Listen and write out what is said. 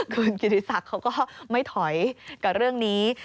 คุณกิติศักดิ์เขาก็ไม่ถอยกับเรื่องนี้